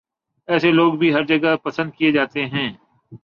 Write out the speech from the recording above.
ایسے لوگ بھی ہر جگہ پسند کیے جاتے ہیں